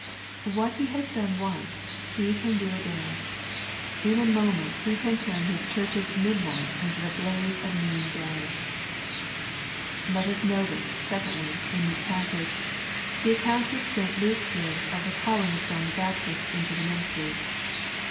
What He has done once, He can do again. In a moment He can turn His church's midnight into the blaze of noon day. Let us notice, secondly, in this passage, the account \/ which St. Luke gives of the calling of John the Baptist into the ministry.